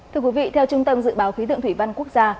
thưa quý vị theo trung tâm dự báo khí tượng thủy văn quốc gia